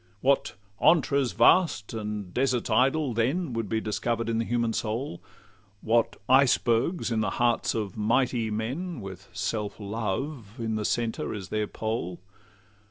What 'antres vast and deserts idle' then Would be discover'd in the human soul! What icebergs in the hearts of mighty men, With self love in the centre as their pole!